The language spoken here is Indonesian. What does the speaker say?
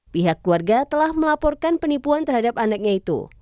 pihak keluarga telah melaporkan penipuan terhadap anaknya itu